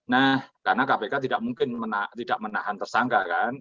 nah karena kpk tidak mungkin tidak menahan tersangka kan